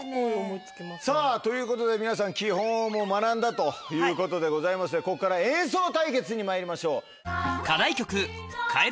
さぁということで皆さん基本をもう学んだということでございましてこっから演奏対決にまいりましょう。